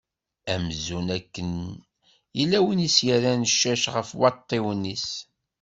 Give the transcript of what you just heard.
Amzun akken yella win s-yerran ccac ɣef waṭṭiwen-is.